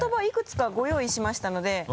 いくつかご用意しましたので。